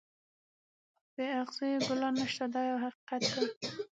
بې اغزیو ګلان نشته دا یو حقیقت دی.